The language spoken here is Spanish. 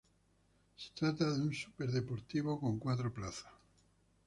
Se trata de un superdeportivo con cuatro plazas.